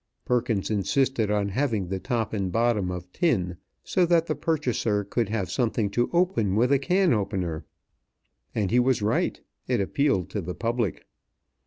Perkins insisted on having the top and bottom of tin, so that the purchaser could have something to open with a can opener; and he was right. It appealed to the public.